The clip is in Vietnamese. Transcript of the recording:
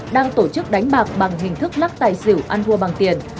đang tổ chức đánh bạc bằng hình thức lắc tài xỉu ăn thua bằng tiền